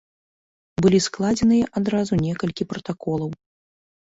Былі складзеныя адразу некалькі пратаколаў.